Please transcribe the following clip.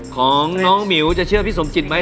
ของน้องหมิวจะเชื่อพี่สมจิตไหม